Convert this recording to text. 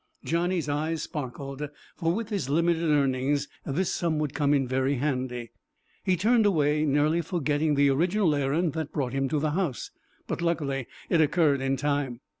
Johnny's eyes sparkled, for with his limited earnings this sum would come in very handy. He turned away, nearly forgetting the original errand that brought him to the house, but luckily it occurred in time.